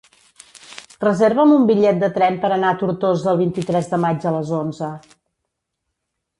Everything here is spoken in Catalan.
Reserva'm un bitllet de tren per anar a Tortosa el vint-i-tres de maig a les onze.